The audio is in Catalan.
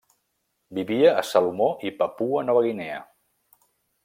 Vivia a Salomó i Papua Nova Guinea.